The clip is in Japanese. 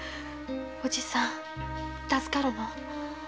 おじさん助かるの？